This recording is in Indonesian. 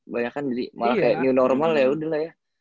banyak kan jadi malah kayak new normal ya udah lah ya